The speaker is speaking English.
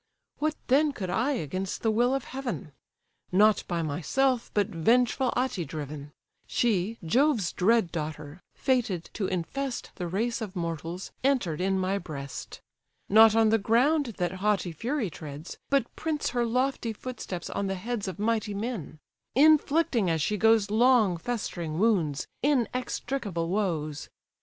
What then could I against the will of heaven? Not by myself, but vengeful Ate driven; She, Jove's dread daughter, fated to infest The race of mortals, enter'd in my breast. Not on the ground that haughty fury treads, But prints her lofty footsteps on the heads Of mighty men; inflicting as she goes Long festering wounds, inextricable woes!